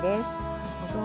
なるほど。